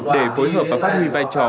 để phối hợp và phát huy vai trò